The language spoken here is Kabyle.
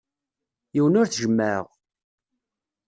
Yiwen ur t-jemmɛeɣ.